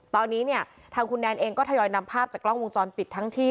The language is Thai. ตอนนี้เนี่ยทางคุณแนนเองก็ทยอยนำภาพจากกล้องวงจรปิดทั้งที่